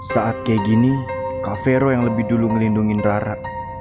saat kayak gini kak vero yang lebih dulu ngelindungin rara